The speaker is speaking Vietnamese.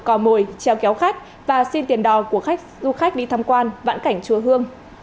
cò mồi treo kéo khách và xin tiền đò của du khách đi thăm quan vãn cảnh chua hương